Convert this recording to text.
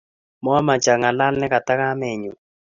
Momec h ang'alan ne kata kamenyu